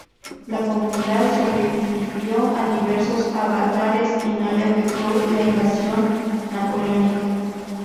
La comunidad sobrevivió a diversos avatares y no le afectó la invasión napoleónica.